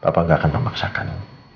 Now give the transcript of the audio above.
papa gak akan memaksakan